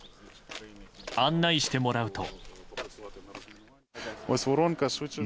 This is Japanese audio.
案内してもらうと。